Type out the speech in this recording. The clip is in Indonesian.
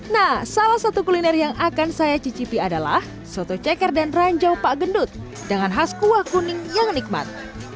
nah salah satu kuliner yang akan saya cicipi adalah soto ceker dan ranjau pak gendut dengan khas kuah kuning yang nikmat